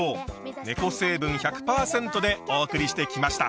ねこ成分１００％でお送りしてきました。